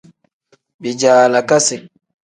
Bijaalakasi.